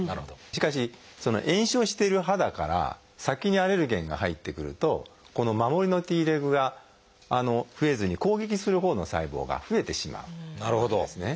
しかし炎症している肌から先にアレルゲンが入ってくるとこの守りのＴレグが増えずに攻撃するほうの細胞が増えてしまうんですね。